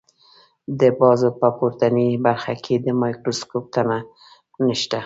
د بازو په پورتنۍ برخه کې د مایکروسکوپ تنه نښتې ده.